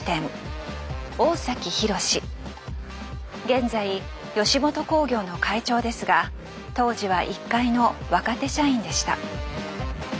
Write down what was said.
現在吉本興業の会長ですが当時は一介の若手社員でした。